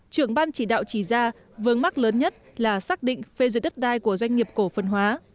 trưởng ban chỉ đạo chỉ ra vớng mắc lớn nhất là xác định phê duyệt đất đai của doanh nghiệp cổ phần hóa